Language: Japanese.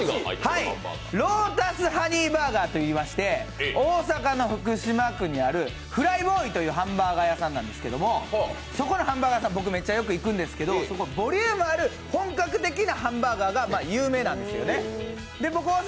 ロータスハニーバーガーといいまして、大阪の福島区にあるＦＬＹＢＯＹというハンバーガー屋さんなんですけどそこのハンバーガー屋さんめっちゃ僕行くんですけど、そこ、ボリュームある本格的なハンバーガーが有名なんですよね。